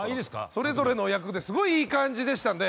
それぞれの役ですごいいい感じでしたんで。